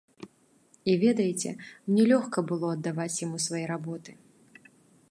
І, ведаеце, мне лёгка было аддаваць яму свае работы.